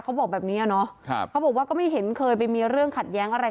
เขาบอกแบบนี้อ่ะเนาะเขาบอกว่าก็ไม่เห็นเคยไปมีเรื่องขัดแย้งอะไร